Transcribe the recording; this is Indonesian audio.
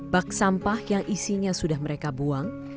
bak sampah yang isinya sudah mereka buang